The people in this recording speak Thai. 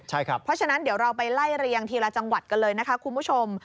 เพราะฉะนั้นเดี๋ยวเราไปไล่เรียงทีละจังหวัดกันเลยนะคะคุณผู้ชม